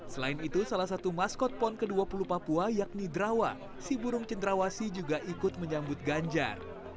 selain itu salah satu maskot pon ke dua puluh papua yakni drawa si burung cendrawasi juga ikut menyambut ganjar